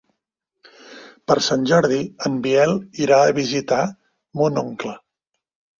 Per Sant Jordi en Biel irà a visitar mon oncle.